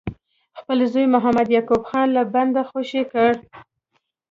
خپل زوی محمد یعقوب خان له بنده خوشي کړي.